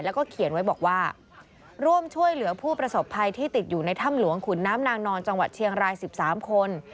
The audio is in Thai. แล้วก็เขียนไว้บอกว่าร่วมช่วยเหลือผู้ประสบภัยที่ติดอยู่ในถ้ำหลวงขุนน้ำนางนอนจังหวัดเชียงราย๑๓คน